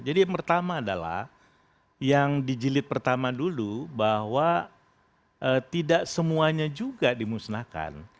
jadi yang pertama adalah yang dijilid pertama dulu bahwa tidak semuanya juga dimusnahkan